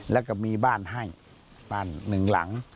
แล้วก็มีบ้านให้บ้านหนึ่งหลัง